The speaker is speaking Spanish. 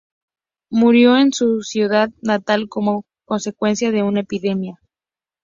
Murió en su ciudad natal como consecuencia de una epidemia.